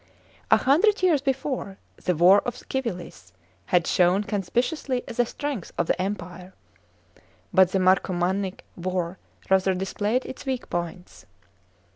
A hundred years before, the war of Civilis had shown conspicuously the strength of the Empire; but the Marcomaunic war rather displayed its weak points.